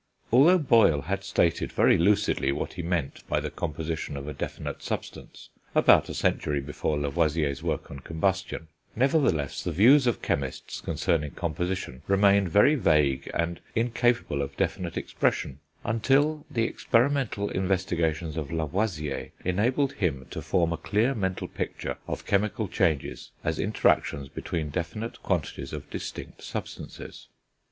Although Boyle had stated very lucidly what he meant by the composition of a definite substance, about a century before Lavoisier's work on combustion, nevertheless the views of chemists concerning composition remained very vague and incapable of definite expression, until the experimental investigations of Lavoisier enabled him to form a clear mental picture of chemical changes as interactions between definite quantities of distinct substances.